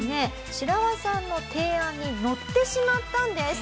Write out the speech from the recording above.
シラワさんの提案に乗ってしまったんです。